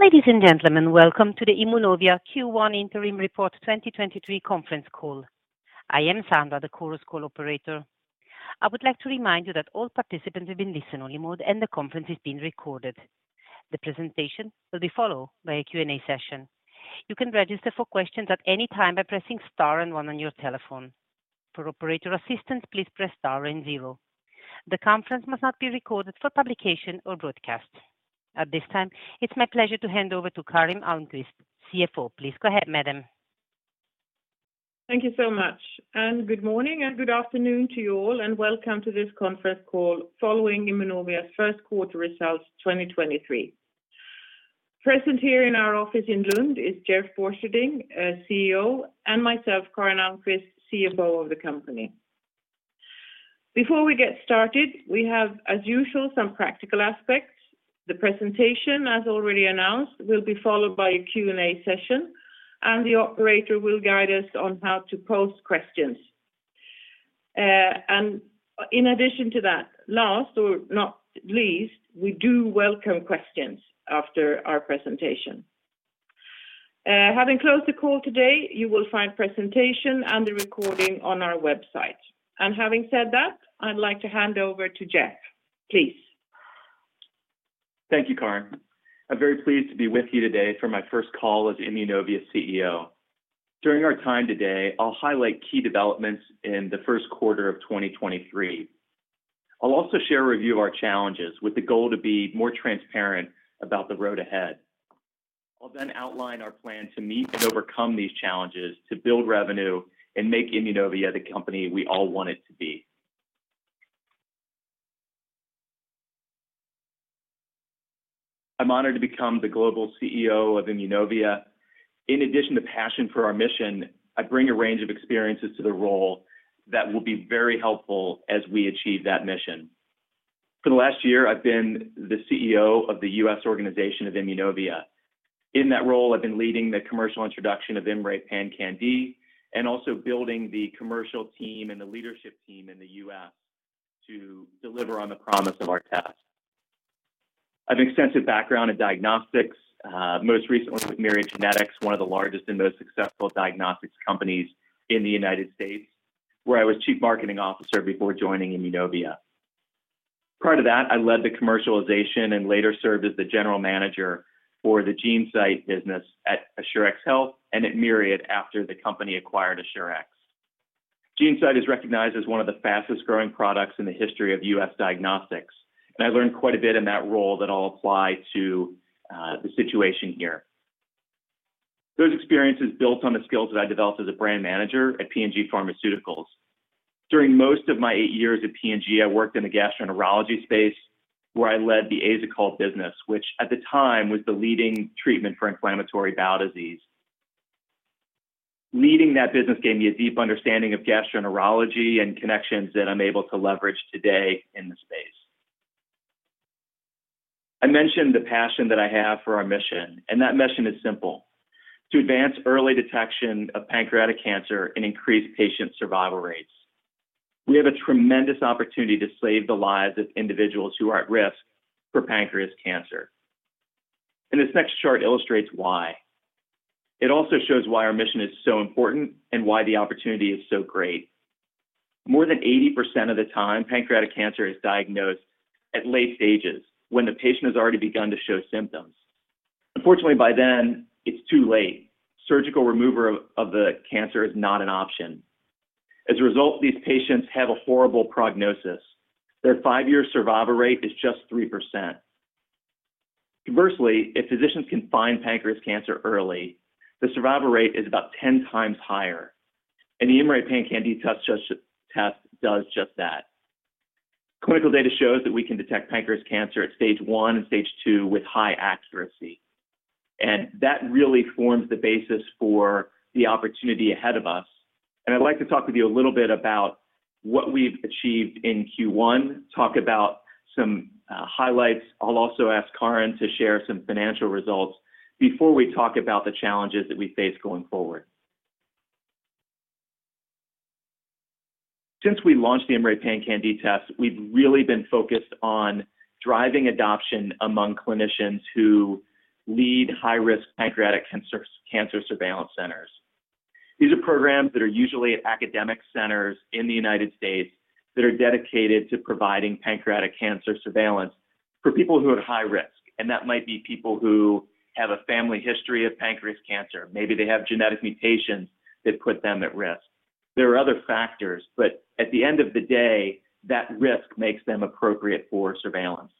Ladies and gentlemen, welcome to the Immunovia Q1 Interim Report 2023 conference call. I am Sandra, the Chorus Call operator. I would like to remind you that all participants have been listen-only mode and the conference is being recorded. The presentation will be followed by a Q&A session. You can register for questions at any time by pressing star and 1 on your telephone. For operator assistance, please press star and zero. The conference must not be recorded for publication or broadcast. At this time, it's my pleasure to hand over to Karin Almqvist, CFO. Please go ahead, madam. Thank you so much. Good morning and good afternoon to you all. Welcome to this conference call following Immunovia's first 1/4 results 2023. Present here in our office in Lund is Jeff Borcherding, CEO, and myself, Karin Almqvist Liwendahl, CFO of the company. Before we get started, we have, as usual, some practical aspects. The presentation, as already announced, will be followed by a Q&A session. The operator will guide us on how to pose questions. In addition to that, last or not least, we do welcome questions after our presentation. Having closed the call today, you will find presentation and the recording on our website. Having said that, I'd like to hand over to Jeff. Please. Thank you, Karin. I'm very pleased to be with you today for my first call as Immunovia CEO. During our time today, I'll highlight key developments in the first 1/4 of 2023. I'll also share a review of our challenges with the goal to be more transparent about the road ahead. I'll outline our plan to meet and overcome these challenges to build revenue and make Immunovia the company we all want it to be. I'm honored to become the global CEO of Immunovia. In addition to passion for our mission, I bring a range of experiences to the role that will be very helpful as we achieve that mission. For the last year, I've been the CEO of the U.S. organization of Immunovia. In that role, I've been leading the commercial introduction IMMray PanCan-d and also building the commercial team and the leadership team in the U.S. to deliver on the promise of our test. I have extensive background in diagnostics, most recently with Myriad Genetics, 1 of the largest and most successful diagnostics companies in the United States, where I was chief marketing officer before joining Immunovia. Prior to that, I led the commercialization and later served as the general manager for the GeneSight business at Assurex Health and at Myriad after the company acquired Assurex. GeneSight is recognized as 1 of the fastest-growing products in the history of U.S. diagnostics, and I learned quite a bit in that role that I'll apply to the situation here. Those experiences built on the skills that I developed as a brand manager at P&G Pharmaceuticals. During most of my eight years at P&G, I worked in the gastroenterology space where I led the Asacol business, which at the time was the leading treatment for inflammatory bowel disease. Leading that business gave me a deep understanding of gastroenterology and connections that I'm able to leverage today in the space. I mentioned the passion that I have for our mission, that mission is simple: To advance early detection of pancreatic cancer and increase patient survival rates. We have a tremendous opportunity to save the lives of individuals who are at risk for pancreas cancer. This next chart illustrates why. It also shows why our mission is so important and why the opportunity is so great. More than 80% of the time, pancreatic cancer is diagnosed at late stages when the patient has already begun to show symptoms. Unfortunately, by then, it's too late. Surgical removal of the cancer is not an option. These patients have a horrible prognosis. Their 5-year survival rate is just 3%. If physicians can find pancreatic cancer early, the survival rate is about 10 times higher. The IMMray PanCan-d test does just that. Clinical data shows that we can detect pancreatic cancer at stage 1 and stage 2 with high accuracy. That really forms the basis for the opportunity ahead of us. I'd like to talk with you a little bit about what we've achieved in Q1, talk about some highlights. I'll also ask Karin to share some financial results before we talk about the challenges that we face going forward. Since we launched IMMray PanCan-d test, we've really been focused on driving adoption among clinicians who lead high-risk pancreatic cancer surveillance centers. These are programs that are usually at academic centers in the United States that are dedicated to providing pancreatic cancer surveillance for people who are at high risk. That might be people who have a family history of pancreatic cancer. Maybe they have genetic mutations that put them at risk. There are other factors. At the end of the day, that risk makes them appropriate for surveillance.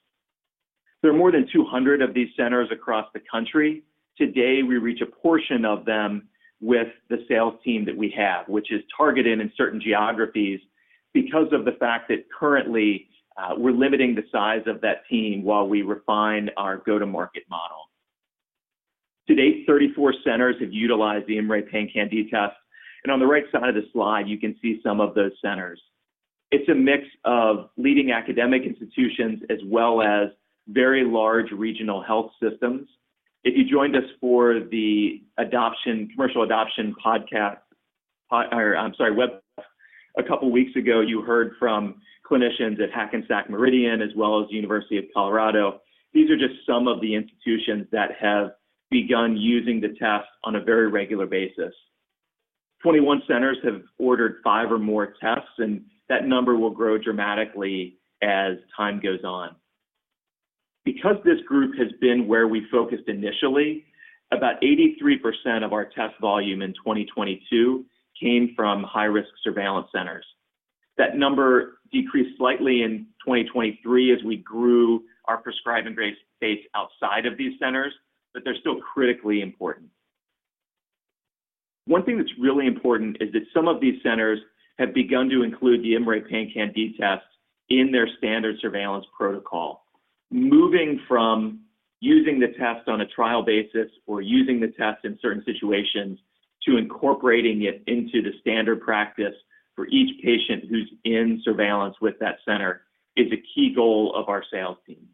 There are more than 200 of these centers across the country. Today, we reach a portion of them with the sales team that we have, which is targeted in certain geographies because of the fact that currently, we're limiting the size of that team while we refine our go-to-market model. To date, 34 centers have utilized the IMMray PanCan-d test. On the right side of the Slide, you can see some of those centers. It's a mix of leading academic institutions as well as very large regional health systems. If you joined us for the commercial adoption podcast, or I'm sorry, A couple weeks ago, you heard from clinicians at Hackensack Meridian, as well as University of Colorado. These are just some of the institutions that have begun using the test on a very regular basis. 21 centers have ordered 5 or more tests, and that number will grow dramatically as time goes on. Because this group has been where we focused initially, about 83% of our test volume in 2022 came from high-risk surveillance centers. That number decreased slightly in 2023 as we grew our prescribing base outside of these centers, but they're still critically important. 1 thing that's really important is that some of these centers have begun to include IMMray PanCan-d test in their standard surveillance protocol. Moving from using the test on a trial basis or using the test in certain situations to incorporating it into the standard practice for each patient who's in surveillance with that center is a key goal of our sales team.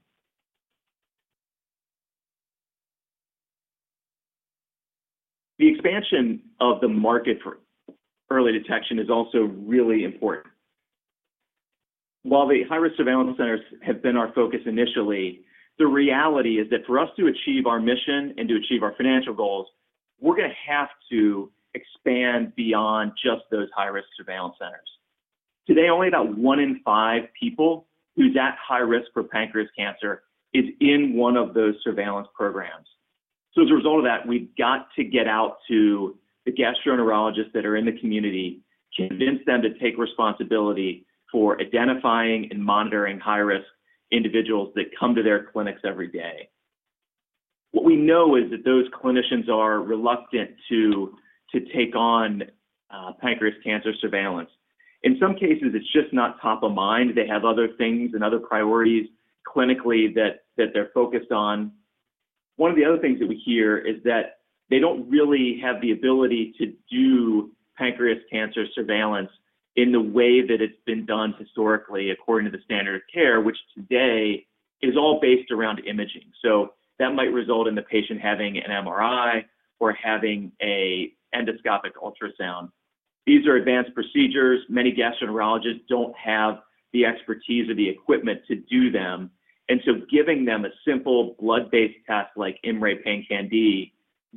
The expansion of the market for early detection is also really important. While the high-risk surveillance centers have been our focus initially, the reality is that for us to achieve our mission and to achieve our financial goals, we're gonna have to expand beyond just those high-risk surveillance centers. Today, only about 1 in 5 people who's at high risk for pancreatic cancer is in 1 of those surveillance programs. As a result of that, we've got to get out to the gastroenterologists that are in the community, convince them to take responsibility for identifying and monitoring high-risk individuals that come to their clinics every day. What we know is that those clinicians are reluctant to take on pancreatic cancer surveillance. In some cases, it's just not top of mind. They have other things and other priorities clinically that they're focused on. 1 of the other things that we hear is that they don't really have the ability to do pancreatic cancer surveillance in the way that it's been done historically, according to the standard of care, which today is all based around imaging. That might result in the patient having an MRI or having an endoscopic ultrasound. These are advanced procedures. Many gastroenterologists don't have the expertise or the equipment to do them. Giving them a simple blood-based test like IMMray Pancan-d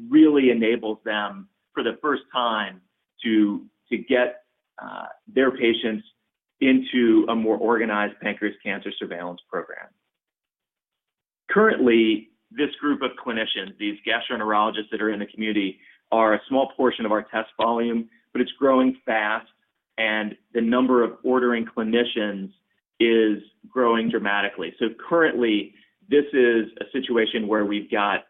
really enables them, for the first time, to get their patients into a more organized pancreas cancer surveillance program. Currently, this group of clinicians, these gastroenterologists that are in the community, are a small portion of our test volume, but it's growing fast, and the number of ordering clinicians is growing dramatically. Currently, this is a situation where we've got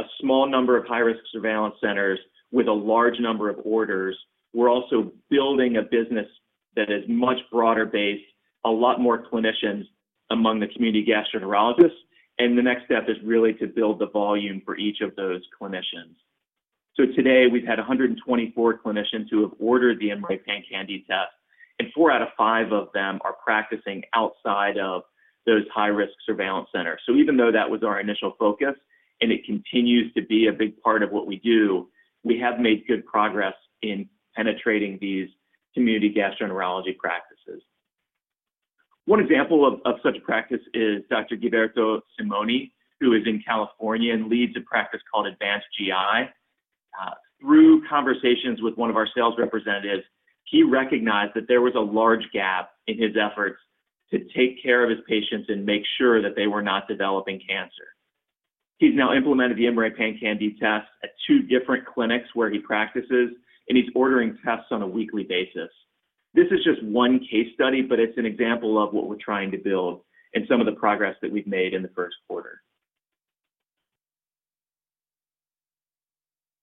a small number of high-risk surveillance centers with a large number of orders. We're also building a business that is much broader based, a lot more clinicians among the community gastroenterologists, and the next step is really to build the volume for each of those clinicians. Today we've had 124 clinicians who have ordered the IMMRayPANcanD test, and 4 out of 5 of them are practicing outside of those high-risk surveillance centers. Even though that was our initial focus, and it continues to be a big part of what we do, we have made good progress in penetrating these community gastroenterology practices. 1 example of such practice is Dr. Gilberto Simoni, who is in California and leads a practice called Advanced GI. Through conversations with 1 of our sales representatives, he recognized that there was a large gap in his efforts to take care of his patients and make sure that they were not developing cancer. He's now IMMray PanCan-d test at 2 different clinics where he practices, and he's ordering tests on a weekly basis. This is just 1 case study, but it's an example of what we're trying to build and some of the progress that we've made in the first 1/4.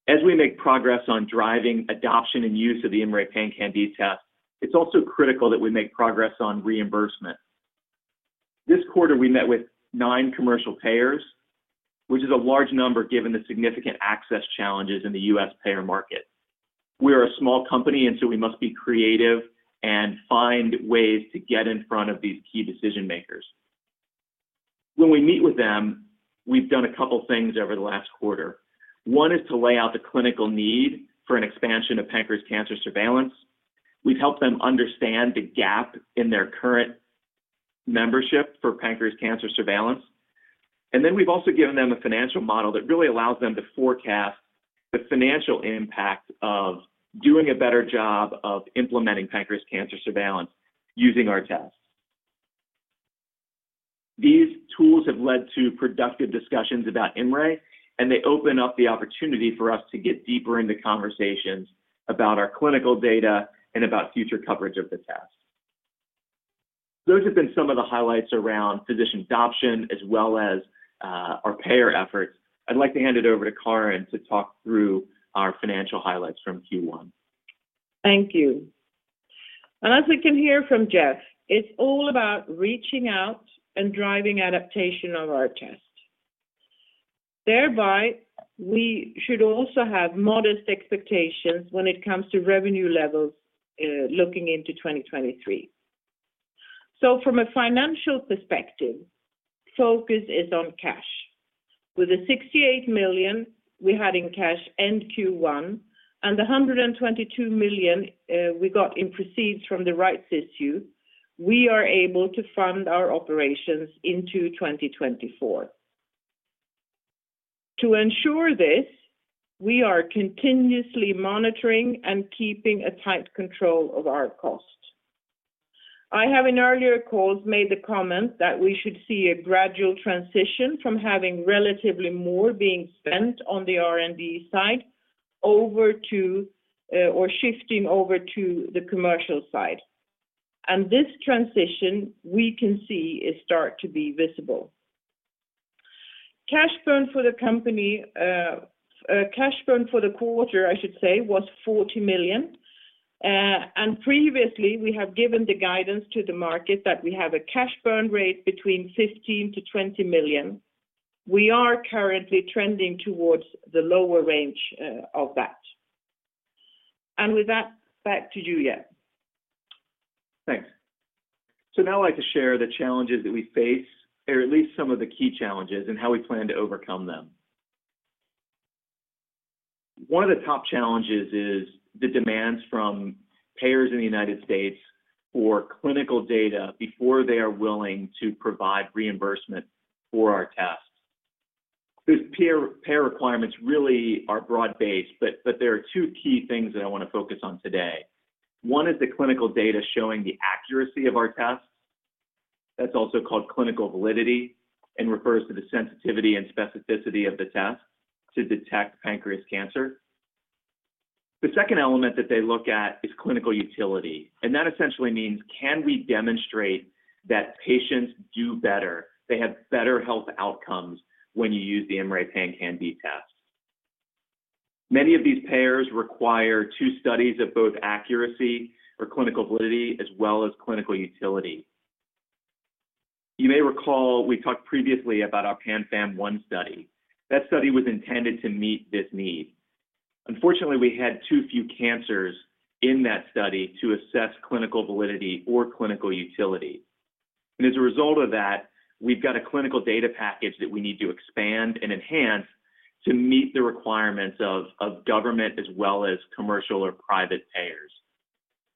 As we make progress on driving adoption and use of IMMray PanCan-d test, it's also critical that we make progress on reimbursement. This 1/4, we met with nine commercial payers, which is a large number given the significant access challenges in the US payer market. We are a small company, and so we must be creative and find ways to get in front of these key decision makers. When we meet with them, we've done a couple things over the last 1/4. 1 is to lay out the clinical need for an expansion of pancreas cancer surveillance. We've helped them understand the gap in their current membership for pancreas cancer surveillance. We've also given them a financial model that really allows them to forecast the financial impact of doing a better job of implementing pancreas cancer surveillance using our tests. These tools have led to productive discussions about IMMray. They open up the opportunity for us to get deeper into conversations about our clinical data and about future coverage of the test. Those have been some of the highlights around physician adoption as well as our payer efforts. I'd like to hand it over to Karin to talk through our financial highlights from Q1. Thank you. And as we can hear from Jeff, it's all about reaching out and driving adaptation of our test. Thereby, we should also have modest expectations when it comes to revenue levels, looking into 2023. From a financial perspective, focus is on cash. With the 68 million we had in cash end Q1 and the 122 million we got in proceeds from the rights issue, we are able to fund our operations into 2024. To ensure this, we are continuously monitoring and keeping a tight control of our costs. I have in earlier calls made the comment that we should see a gradual transition from having relatively more being spent on the R&D side over to, or shifting over to the commercial side. This transition, we can see it start to be visible. Cash burn for the company, cash burn for the 1/4, I should say, was 40 million. Previously, we have given the guidance to the market that we have a cash burn rate between 15 million-20 million. We are currently trending towards the lower range of that. With that, back to you, Jeff. Thanks. Now I'd like to share the challenges that we face, or at least some of the key challenges, and how we plan to overcome them. 1 of the top challenges is the demands from payers in the United States for clinical data before they are willing to provide reimbursement for our tests. These pay requirements really are broad-based, but there are 2 key things that I want to focus on today. 1 is the clinical data showing the accuracy of our tests. That's also called clinical validity and refers to the sensitivity and specificity of the test to detect pancreatic cancer. The second element that they look at is clinical utility, and that essentially means can we demonstrate that patients do better, they have better health outcomes when you use the MRay PanCan-D test. Many of these payers require 2 studies of both accuracy or clinical validity as well as clinical utility. You may recall we talked previously about our PanFAM-1 study. That study was intended to meet this need. Unfortunately, we had too few cancers in that study to assess clinical validity or clinical utility. As a result of that, we've got a clinical data package that we need to expand and enhance to meet the requirements of government as well as commercial or private payers.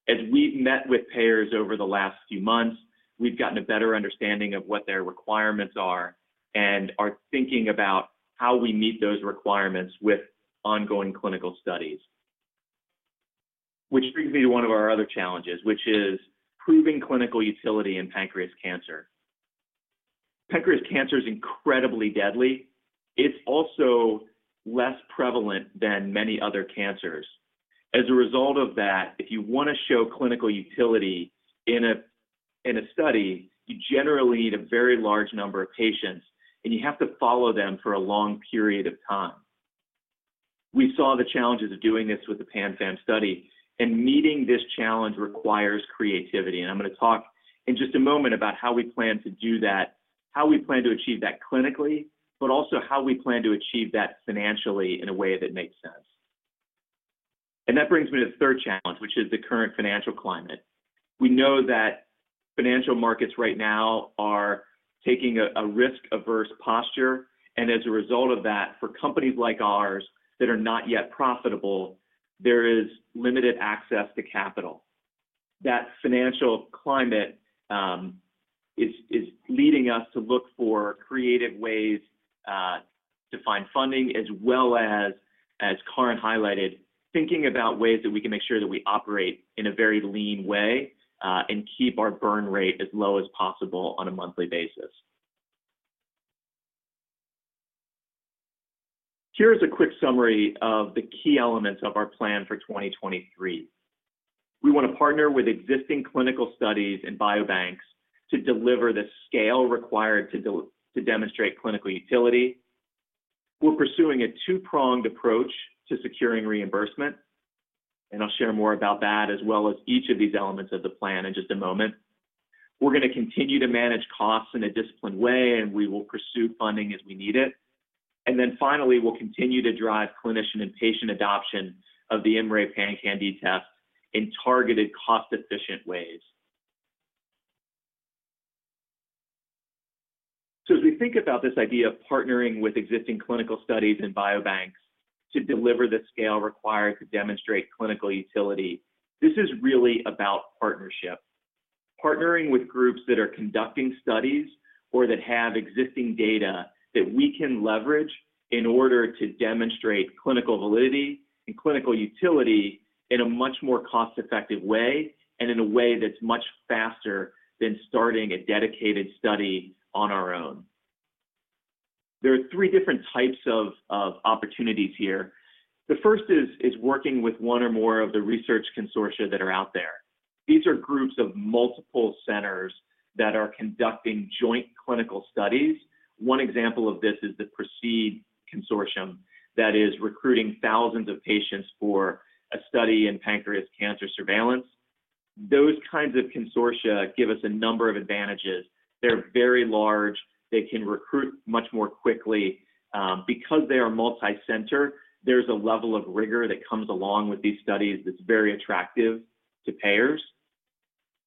As we've met with payers over the last few months, we've gotten a better understanding of what their requirements are and are thinking about how we meet those requirements with ongoing clinical studies. Which brings me to 1 of our other challenges, which is proving clinical utility in pancreatic cancer. Pancreatic cancer is incredibly deadly. It's also less prevalent than many other cancers. If you want to show clinical utility in a study, you generally need a very large number of patients, and you have to follow them for a long period of time. We saw the challenges of doing this with the PanFAM study, meeting this challenge requires creativity. I'm going to talk in just a moment about how we plan to do that, how we plan to achieve that clinically, but also how we plan to achieve that financially in a way that makes sense. That brings me to the third challenge, which is the current financial climate. We know that financial markets right now are taking a risk-averse posture, as a result of that, for companies like ours that are not yet profitable, there is limited access to capital. That financial climate is leading us to look for creative ways to find funding as well as Karin highlighted, thinking about ways that we can make sure that we operate in a very lean way and keep our burn rate as low as possible on a monthly basis. Here is a quick summary of the key elements of our plan for 2023. We want to partner with existing clinical studies and biobanks to deliver the scale required to demonstrate clinical utility. We're pursuing a 2-pronged approach to securing reimbursement, and I'll share more about that as well as each of these elements of the plan in just a moment. We're going to continue to manage costs in a disciplined way, and we will pursue funding as we need it. Finally, we'll continue to drive clinician and patient adoption of the IMMray PanCan-D test in targeted, cost-efficient ways. As we think about this idea of partnering with existing clinical studies and biobanks to deliver the scale required to demonstrate clinical utility, this is really about partnership. Partnering with groups that are conducting studies or that have existing data that we can leverage in order to demonstrate clinical validity and clinical utility in a much more cost-effective way and in a way that's much faster than starting a dedicated study on our own. There are 3 different types of opportunities here. The first is working with 1 or more of the research consortia that are out there. These are groups of multiple centers that are conducting joint clinical studies. 1 example of this is the PRECEDE Consortium that is recruiting thousands of patients for a study in pancreatic cancer surveillance. Those kinds of consortia give us a number of advantages. They're very large. They can recruit much more quickly. They are multi-center, there's a level of rigor that comes along with these studies that's very attractive to payers.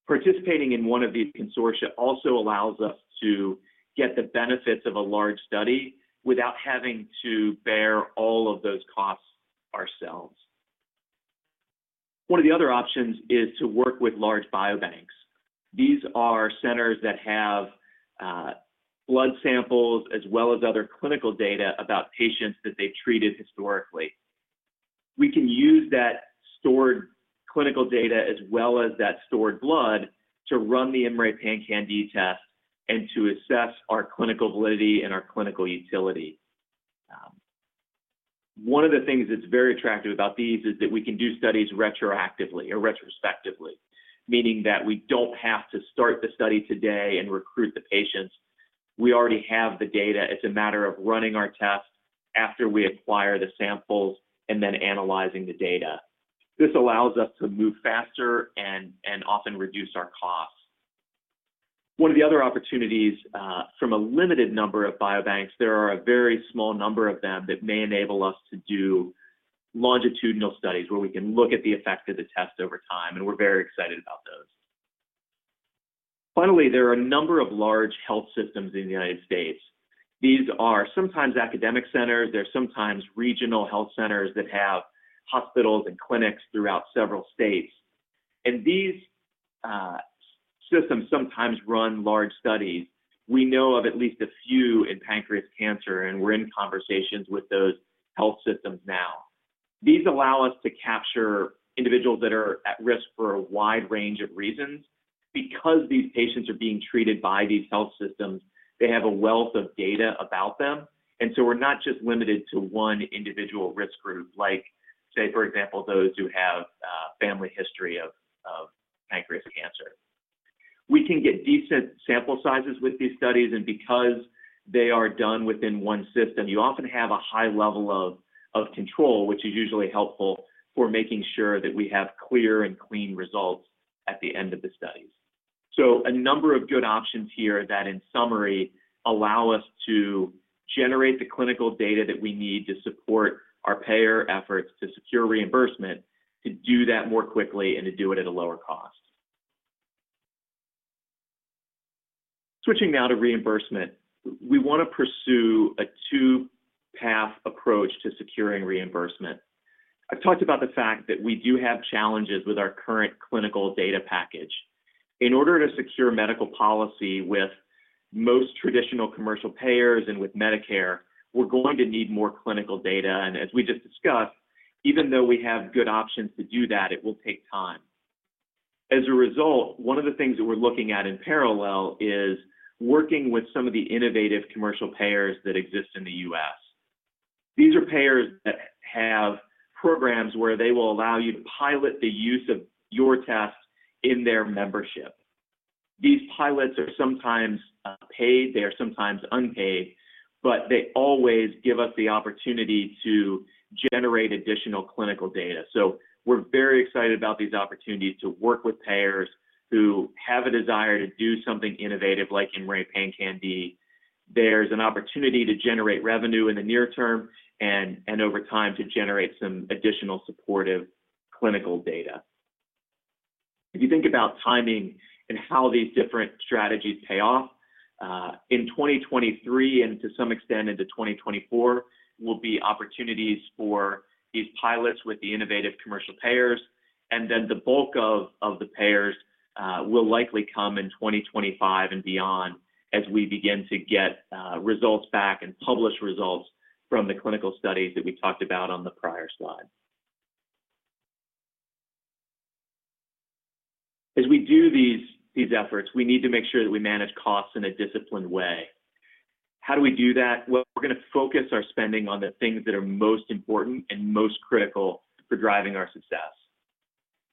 Participating in 1 of these consortia also allows us to get the benefits of a large study without having to bear all of those costs ourselves. 1 of the other options is to work with large biobanks. These are centers that have blood samples as well as other clinical data about patients that they've treated historically. We can use that stored clinical data as well as that stored blood to run the IMMray PanCan-D test and to assess our clinical validity and our clinical utility. 1 of the things that's very attractive about these is that we can do studies retroactively or retrospectively, meaning that we don't have to start the study today and recruit the patients. We already have the data. It's a matter of running our tests after we acquire the samples and then analyzing the data. This allows us to move faster and often reduce our costs. 1 of the other opportunities, from a limited number of biobanks, there are a very small number of them that may enable us to do longitudinal studies where we can look at the effect of the test over time, and we're very excited about those. Finally, there are a number of large health systems in the United States. These are sometimes academic centers. They're sometimes regional health centers that have hospitals and clinics throughout several states. These systems sometimes run large studies. We know of at least a few in pancreas cancer. We're in conversations with those health systems now. These allow us to capture individuals that are at risk for a wide range of reasons. Because these patients are being treated by these health systems, they have a wealth of data about them. So we're not just limited to 1 individual risk group, like, say, for example, those who have family history of pancreas cancer. We can get decent sample sizes with these studies. Because they are done within 1 system, you often have a high level of control, which is usually helpful for making sure that we have clear and clean results at the end of the studies. A number of good options here that, in summary, allow us to generate the clinical data that we need to support our payer efforts to secure reimbursement, to do that more quickly, and to do it at a lower cost. Switching now to reimbursement, we want to pursue a 2-path approach to securing reimbursement. I've talked about the fact that we do have challenges with our current clinical data package. In order to secure medical policy with most traditional commercial payers and with Medicare, we're going to need more clinical data, and as we just discussed, even though we have good options to do that, it will take time. As a result, 1 of the things that we're looking at in parallel is working with some of the innovative commercial payers that exist in the US. These are payers that have programs where they will allow you to pilot the use of your test in their membership. These pilots are sometimes paid, they are sometimes unpaid, they always give us the opportunity to generate additional clinical data. We're very excited about these opportunities to work with payers who have a desire to do something innovative like in IMMray PanCan-D. There's an opportunity to generate revenue in the near term and over time to generate some additional supportive clinical data. If you think about timing and how these different strategies pay off, in 2023 and to some extent into 2024 will be opportunities for these pilots with the innovative commercial payers. The bulk of the payers will likely come in 2025 and beyond as we begin to get results back and publish results from the clinical studies that we talked about on the prior Slide. As we do these efforts, we need to make sure that we manage costs in a disciplined way. How do we do that? Well, we're going to focus our spending on the things that are most important and most critical for driving our success.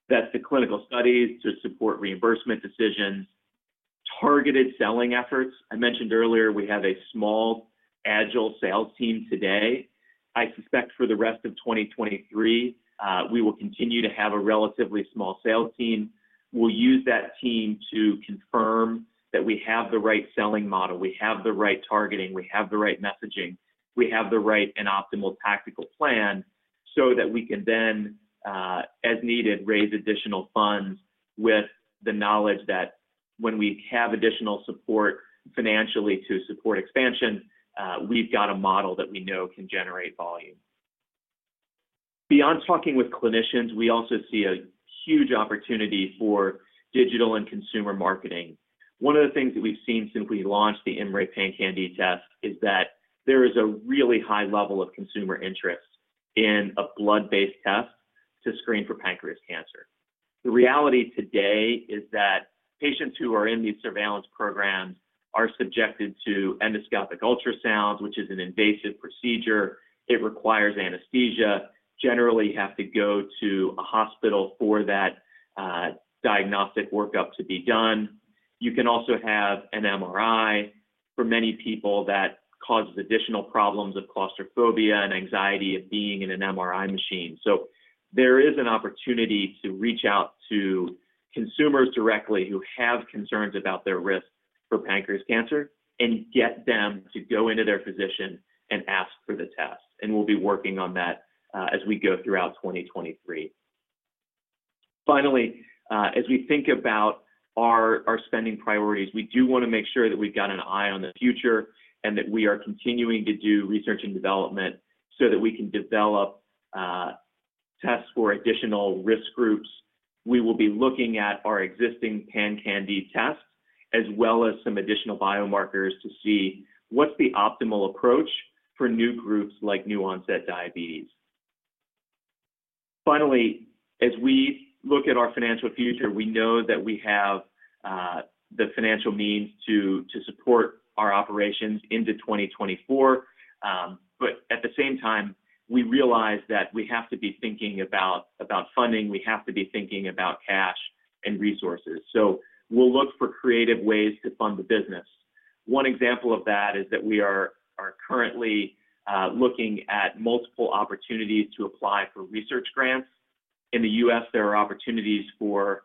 That's the clinical studies to support reimbursement decisions, targeted selling efforts. I mentioned earlier we have a small agile sales team today. I suspect for the rest of 2023, we will continue to have a relatively small sales team. We'll use that team to confirm that we have the right selling model, we have the right targeting, we have the right messaging, we have the right and optimal tactical plan so that we can then, as needed, raise additional funds with the knowledge that when we have additional support financially to support expansion, we've got a model that we know can generate volume. Beyond talking with clinicians, we also see a huge opportunity for digital and consumer marketing. 1 of the things that we've seen since we launched the IMMray PanCan-d test is that there is a really high level of consumer interest in a blood-based test to screen for pancreatic cancer. The reality today is that patients who are in these surveillance programs are subjected to endoscopic ultrasounds, which is an invasive procedure. It requires anesthesia, generally have to go to a hospital for that diagnostic workup to be done. You can also have an MRI. For many people, that causes additional problems of claustrophobia and anxiety of being in an MRI machine. There is an opportunity to reach out to consumers directly who have concerns about their risk for pancreas cancer and get them to go into their physician and ask for the test. We'll be working on that as we go throughout 2023. As we think about our spending priorities, we do wanna make sure that we've got an eye on the future and that we are continuing to do research and development so that we can develop tests for additional risk groups. We will be looking at our existing PanCan-D tests, as well as some additional biomarkers to see what's the optimal approach for new groups like new onset diabetes. As we look at our financial future, we know that we have the financial means to support our operations into 2024, but at the same time, we realize that we have to be thinking about funding. We have to be thinking about cash and resources. We'll look for creative ways to fund the business. 1 example of that is that we are currently looking at multiple opportunities to apply for research grants. In the US, there are opportunities for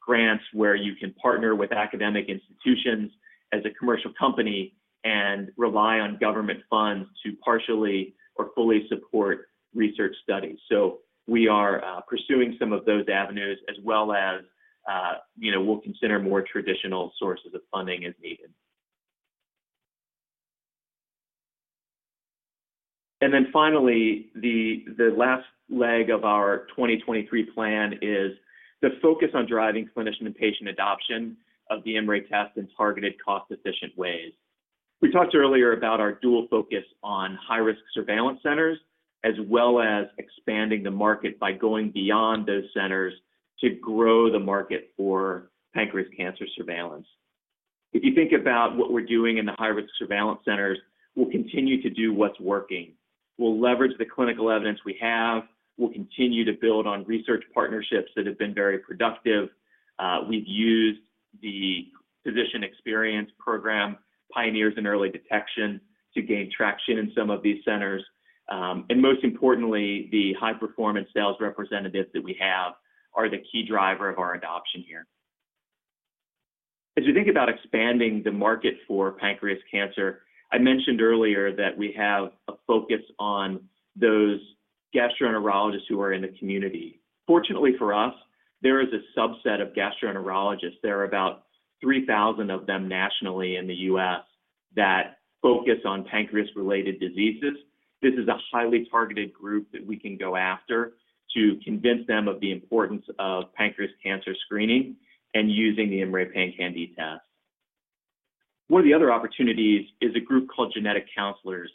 grants where you can partner with academic institutions as a commercial company and rely on government funds to partially or fully support research studies. We are pursuing some of those avenues as well as, you know, we'll consider more traditional sources of funding as needed. Finally, the last leg of our 2023 plan is the focus on driving clinician and patient adoption of the IMMray test in targeted cost-efficient ways. We talked earlier about our dual focus on high-risk surveillance centers, as well as expanding the market by going beyond those centers to grow the market for pancreas cancer surveillance. If you think about what we're doing in the high-risk surveillance centers, we'll continue to do what's working. We'll leverage the clinical evidence we have. We'll continue to build on research partnerships that have been very productive. We've used the physician experience program, Pioneers in Early Detection, to gain traction in some of these centers. Most importantly, the high-performance sales representatives that we have are the key driver of our adoption here. As you think about expanding the market for pancreas cancer, I mentioned earlier that we have a focus on those gastroenterologists who are in the community. Fortunately for us, there is a subset of gastroenterologists, there are about 3,000 of them nationally in the U.S., that focus on pancreas-related diseases. This is a highly targeted group that we can go after to convince them of the importance of pancreatic cancer screening and using the MRA PanCan-D test. 1 of the other opportunities is a group called genetic counselors.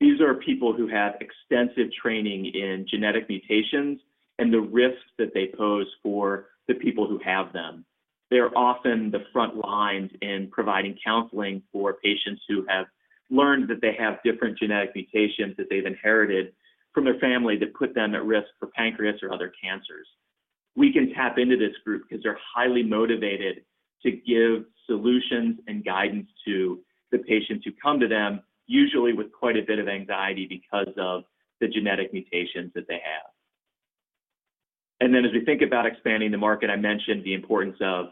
These are people who have extensive training in genetic mutations and the risks that they pose for the people who have them. They're often the front lines in providing counseling for patients who have learned that they have different genetic mutations that they've inherited from their family that put them at risk for pancreatic or other cancers. We can tap into this group because they're highly motivated to give solutions and guidance to the patients who come to them, usually with quite a bit of anxiety because of the genetic mutations that they have. As we think about expanding the market, I mentioned the importance of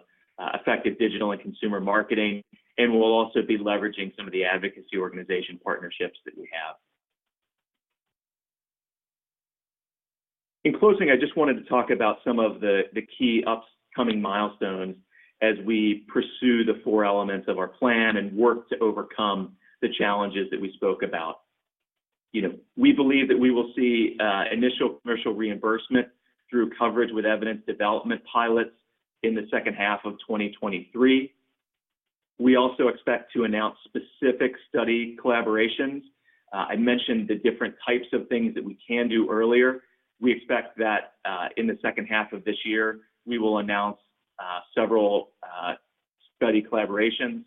effective digital and consumer marketing, and we'll also be leveraging some of the advocacy organization partnerships that we have. In closing, I just wanted to talk about some of the key upcoming milestones as we pursue the 4 elements of our plan and work to overcome the challenges that we spoke about. You know, we believe that we will see initial commercial reimbursement through coverage with evidence development pilots in the second 1/2 of 2023. We also expect to announce specific study collaborations. I mentioned the different types of things that we can do earlier. We expect that in the second 1/2 of this year, we will announce several study collaborations.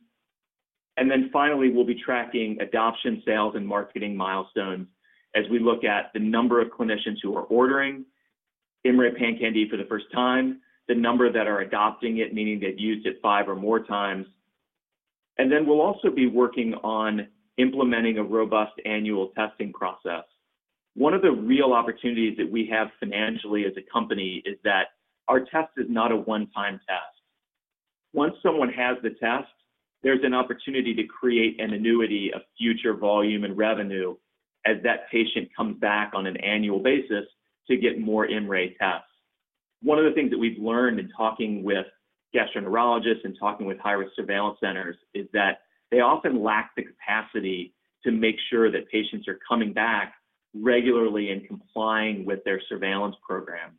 Finally, we'll be tracking adoption, sales, and marketing milestones as we look at the number of clinicians who are ordering MRA PanCan-D for the first time, the number that are adopting it, meaning they've used it 5 or more times. We'll also be working on implementing a robust annual testing process. 1 of the real opportunities that we have financially as a company is that our test is not a one-time test. Once someone has the test, there's an opportunity to create an annuity of future volume and revenue as that patient comes back on an annual basis to get more MRA tests. 1 of the things that we've learned in talking with gastroenterologists and talking with high-risk surveillance centers is that they often lack the capacity to make sure that patients are coming back regularly and complying with their surveillance program.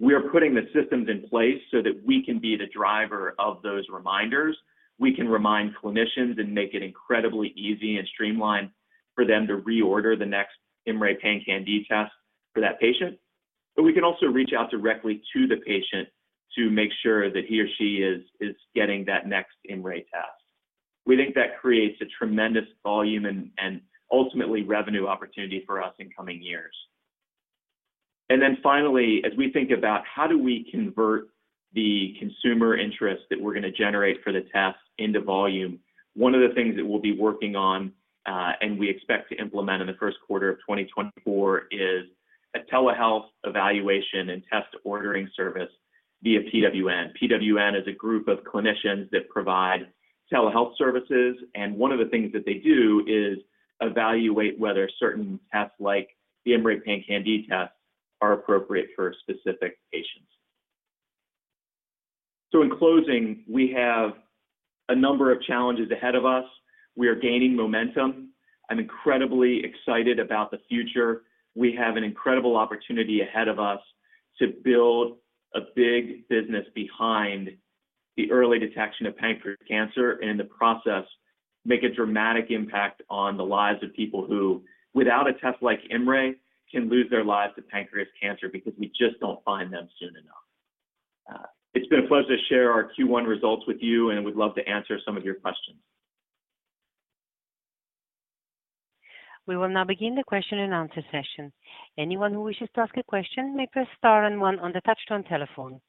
We are putting the systems in place so that we can be the driver of those reminders. We can remind clinicians and make it incredibly easy and streamlined for them to reorder the next IMMray PanCan-d test for that patient. We can also reach out directly to the patient to make sure that he or she is getting that next MRA test. We think that creates a tremendous volume and ultimately revenue opportunity for us in coming years. Finally, as we think about how do we convert the consumer interest that we're going to generate for the test into volume, 1 of the things that we'll be working on, and we expect to implement in the first 1/4 of 2024 is a telehealth evaluation and test ordering service via PWN. PWN is a group of clinicians that provide telehealth services, and 1 of the things that they do is evaluate whether certain tests, like the IMMray PanCan-d test, are appropriate for specific patients. In closing, we have a number of challenges ahead of us. We are gaining momentum. I'm incredibly excited about the future. We have an incredible opportunity ahead of us to build a big business behind the early detection of pancreatic cancer and in the process, make a dramatic impact on the lives of people who, without a test like MRay, can lose their lives to pancreatic cancer because we just don't find them soon enough. It's been a pleasure to share our Q1 results with you, and we'd love to answer some of your questions. We will now begin the question and answer session. Anyone who wishes to ask a question may press star and 1 on the touchtone telephone.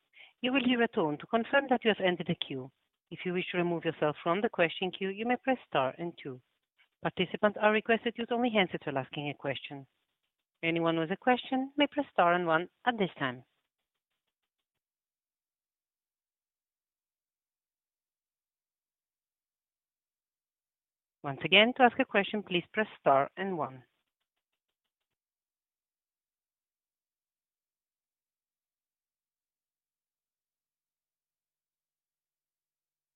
You will hear a tone to confirm that you have entered the queue. If you wish to remove yourself from the question queue, you may press star and 2. Participants are requested to use only hands until asking a question. Anyone with a question may press star and 1 at this time. Once again, to ask a question, please press star and 1.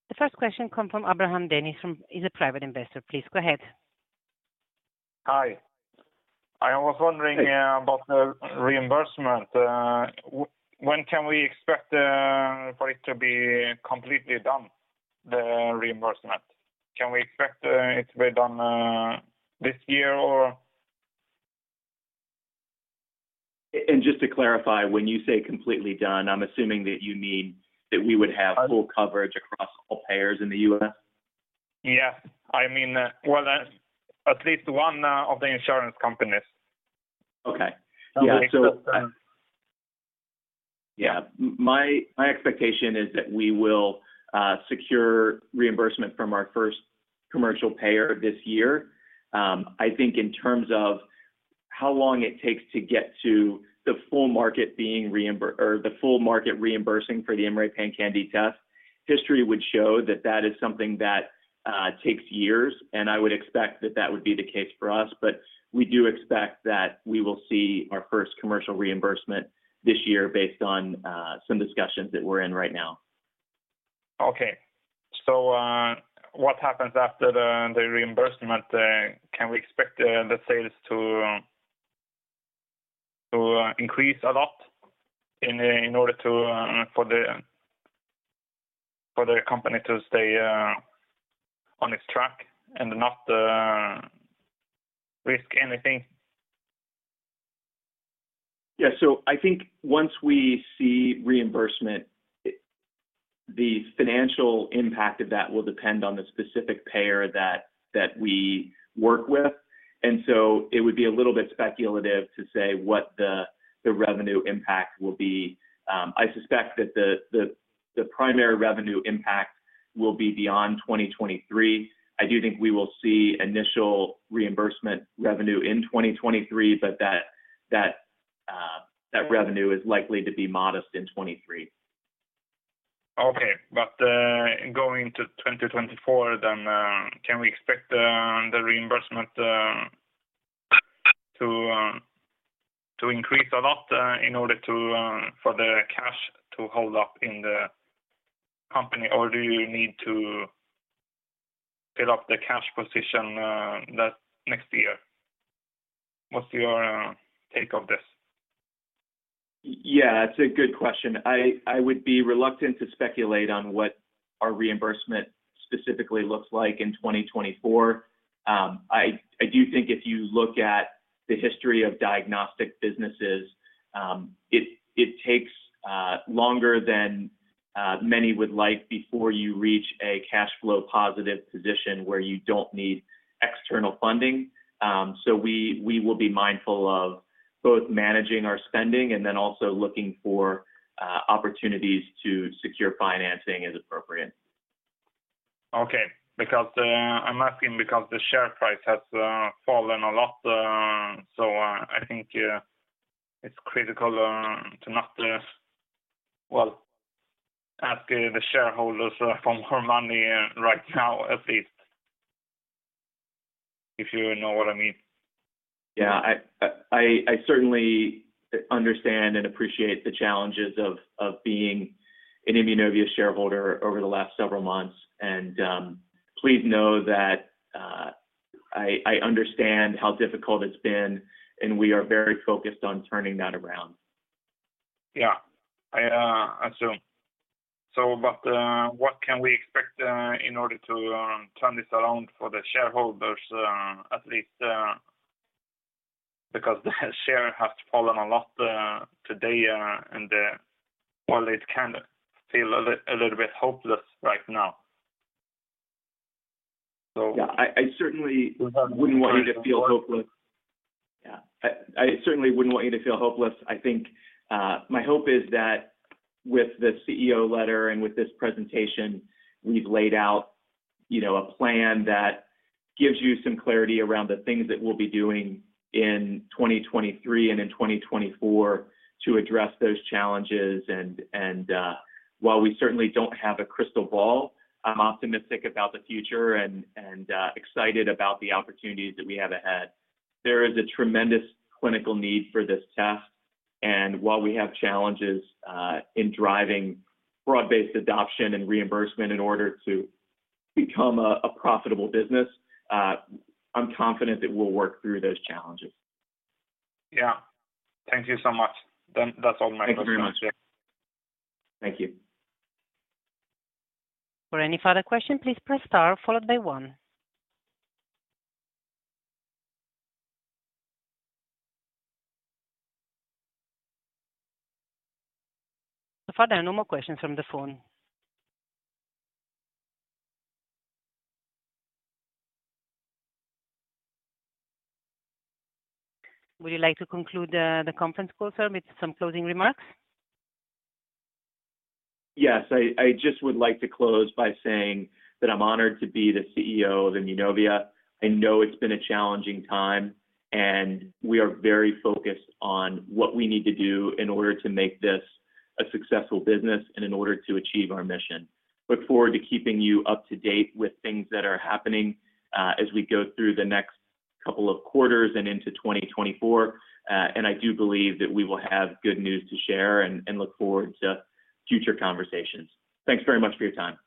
The first question come from Abraham Denius from... He's a private investor. Please go ahead. Hi. I was wondering about the reimbursement. When can we expect for it to be completely done, the reimbursement? Can we expect it to be done this year or? Just to clarify, when you say completely done, I'm assuming that you mean that we would have full coverage across all payers in the U.S.? Yeah. I mean, well, at least 1 of the insurance companies. Okay. Yeah. Yeah. My expectation is that we will secure reimbursement from our first commercial payer this year. I think in terms of how long it takes to get to the full market being or the full market reimbursing for the IMMray PanCan-d test, history would show that that is something that takes years, and I would expect that that would be the case for us. We do expect that we will see our first commercial reimbursement this year based on some discussions that we're in right now. Okay. What happens after the reimbursement? Can we expect the sales to increase a lot in order to for the company to stay on its track and not risk anything? Yeah. I think once we see reimbursement, the financial impact of that will depend on the specific payer that we work with. It would be a little bit speculative to say what the revenue impact will be. I suspect that the primary revenue impact will be beyond 2023. I do think we will see initial reimbursement revenue in 2023, but that revenue is likely to be modest in 2023. Okay. Going to 2024 then, can we expect the reimbursement to increase a lot in order to for the cash to hold up in the company? Do you need to fill up the cash position that next year? What's your take on this? Yeah, that's a good question. I would be reluctant to speculate on what our reimbursement specifically looks like in 2024. I do think if you look at the history of diagnostic businesses, it takes longer than many would like before you reach a cash flow positive position where you don't need external funding. We will be mindful of both managing our spending and then also looking for opportunities to secure financing as appropriate. Okay. Because I'm asking because the share price has fallen a lot, I think it's critical to not, well, ask the shareholders for more money right now, at least, if you know what I mean. Yeah. I certainly understand and appreciate the challenges of being an Immunovia shareholder over the last several months. Please know that, I understand how difficult it's been, and we are very focused on turning that around. Yeah. I assume. What can we expect in order to turn this around for the shareholders, at least, because the share has fallen a lot today, and well, it can feel a little bit hopeless right now. Yeah, I certainly wouldn't want you to feel hopeless. Yeah. I certainly wouldn't want you to feel hopeless. I think, my hope is that with the CEO letter and with this presentation, we've laid out, you know, a plan that gives you some clarity around the things that we'll be doing in 2023 and in 2024 to address those challenges. While we certainly don't have a crystal ball, I'm optimistic about the future and excited about the opportunities that we have ahead. There is a tremendous clinical need for this test. While we have challenges in driving broad-based adoption and reimbursement in order to become a profitable business, I'm confident that we'll work through those challenges. Yeah. Thank you so much. That's all my questions. Thank you very much. Thank you. For any further question, please press star followed by 1. Far, there are no more questions from the phone. Would you like to conclude the conference call, sir, with some closing remarks? Yes. I just would like to close by saying that I'm honored to be the CEO of Immunovia. I know it's been a challenging time, and we are very focused on what we need to do in order to make this a successful business and in order to achieve our mission. Look forward to keeping you up to date with things that are happening as we go through the next couple of 1/4s and into 2024. I do believe that we will have good news to share and look forward to future conversations. Thanks very much for your time.